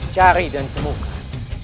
cari dan temukan